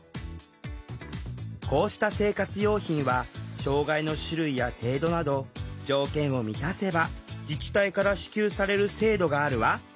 こうした生活用品は障害の種類や程度など条件を満たせば自治体から支給される制度があるわ。